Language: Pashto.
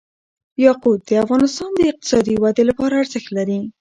یاقوت د افغانستان د اقتصادي ودې لپاره ارزښت لري.